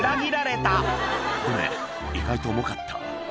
「ごめん意外と重かった」